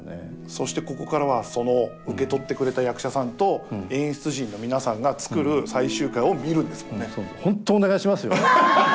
そしてここからはその受け取ってくれた役者さんと演出陣の皆さんが作る最終回を見るんですもんね。